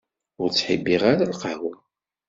Ur ttḥibbiɣ ara lqahwa.